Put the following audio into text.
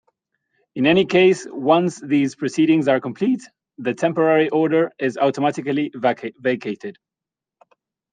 In any case, once these proceedings are complete, the temporary order is automatically vacated.